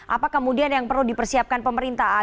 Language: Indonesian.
apa kemudian yang perlu dipersiapkan pemerintahan